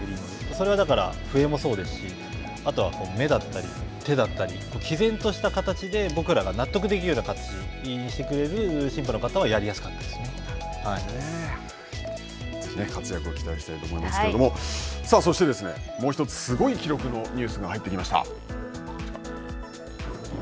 それはだから、笛もそうですし、あとは目だったり手だったり毅然とした形で、僕らが納得できるような形にしてくれるぜひ活躍を期待したいとそしてですね、もう一つ、すごい記録のニュースが入ってきました。